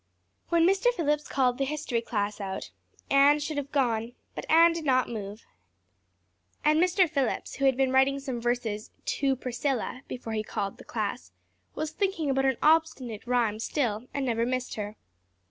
When Mr. Phillips called the history class out Anne should have gone, but Anne did not move, and Mr. Phillips, who had been writing some verses "To Priscilla" before he called the class, was thinking about an obstinate rhyme still and never missed her.